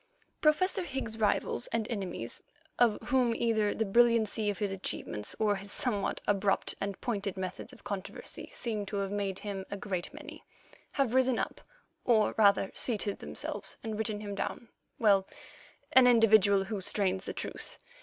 Professor Higgs's rivals and enemies, of whom either the brilliancy of his achievements or his somewhat abrupt and pointed methods of controversy seem to have made him a great many, have risen up, or rather seated themselves, and written him down—well, an individual who strains the truth.